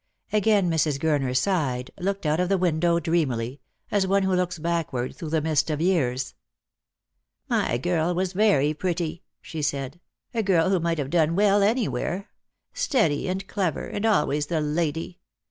Again Mrs. Gurner sighed, looked out of the window dreamily, as one who looks backward through the mist of years. "My girl was very pretty," she said; "a' girl who might have done well anywhere — steady and clever, and always the lady.